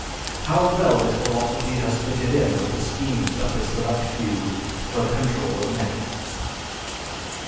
How well this philosophy has fitted in with the schemes of the select few for the control of the many!